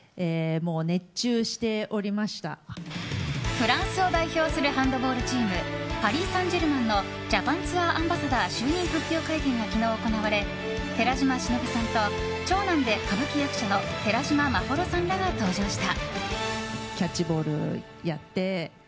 フランスを代表するハンドボールチームパリ・サン・ジェルマンのジャパンツアーアンバサダー就任発表会見が昨日、行われ寺島しのぶさんと長男で歌舞伎俳優の寺嶋眞秀さんらが登場した。